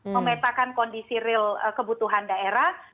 memetakan kondisi real kebutuhan daerah